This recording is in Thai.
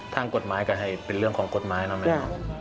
ทางกฎหมายก็ให้เป็นเรื่องของกฎหมายนะแม่